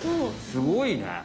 すごいね。